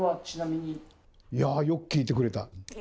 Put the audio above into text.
いやよく聞いてくれた。